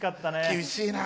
厳しいな。